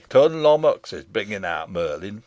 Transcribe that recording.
Tum Lomax is bringin' out Merlin.